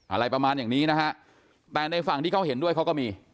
อะไรประมาณอย่างนี้นะฮะแต่ในฝั่งที่เขาเห็นด้วยเขาก็มี